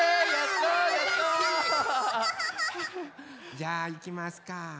じゃあいきますか。